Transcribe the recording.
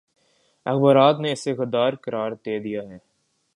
اخبارات نے اسے غدارقرار دے دیاہے